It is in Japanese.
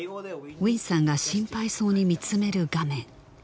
ウィンさんが心配そうに見つめる画面